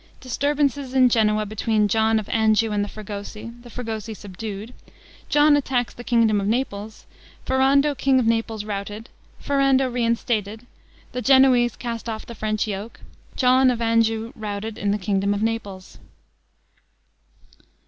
Disturbances in Genoa between John of Anjou and the Fregosi The Fregosi subdued John attacks the kingdom of Naples Ferrando king of Naples routed Ferrando reinstated The Genoese cast off the French yoke John of Anjou routed in the kingdom of Naples.